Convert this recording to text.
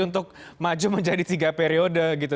untuk maju menjadi tiga periode gitu